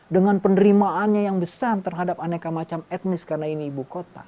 dengan penerimaannya yang besar terhadap aneka macam etnis karena ini ibu kota